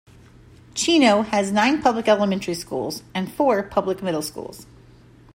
Chino has nine public elementary schools and four public middle schools.